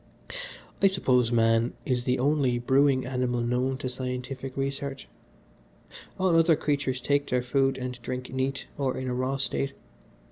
"I suppose man is the only brewing animal known to scientific research. All other creatures take their food and drink neat, or in a raw state.